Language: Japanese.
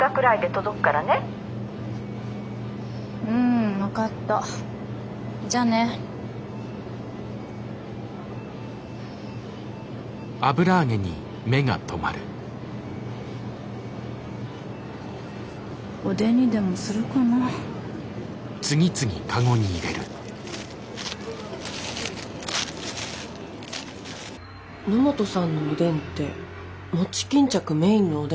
野本さんのおでんって餅巾着メインのおでんなんですね。